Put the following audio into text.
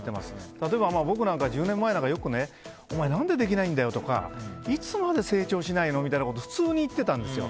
例えば、僕なんか１０年前なんか、よくお前、何でできないんだよとかいつまで成長しないの？とか普通に言ってたんですよ。